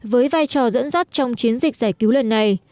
với vai trò dẫn dắt trong chiến dịch giải cứu lần này